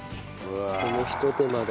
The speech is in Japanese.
このひと手間だよ。